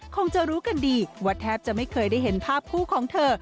คงจะรู้กันดีว่าแทบจะไม่เคยได้เห็นภาพคู่ของเธอ